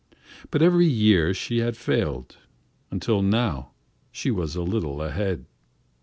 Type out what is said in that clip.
But every year she had failed, until now she was a little ahead.